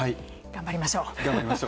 頑張りましょう。